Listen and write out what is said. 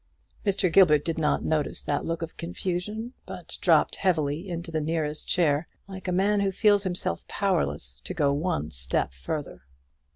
Mr. Gilbert did not notice that look of confusion, but dropped heavily into the nearest chair, like a man who feels himself powerless to go one step farther.